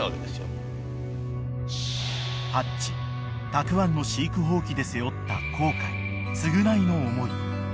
［ハッチたくわんの飼育放棄で背負った後悔償いの思い］